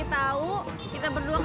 kita berdua gak bisa bangunin emak ya